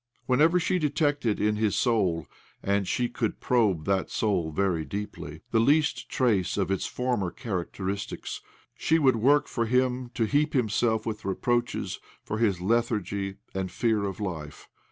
Whenever she detected in his soul— and she could probe that soul very deeply— the least trace of its former characteristics, she would work for him to heap himself with reproaches for his lethargy and fear of life.